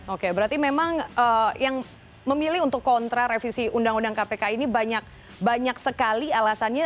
oke berarti memang yang memilih untuk kontra revisi undang undang kpk ini banyak sekali alasannya